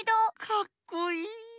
かっこいい。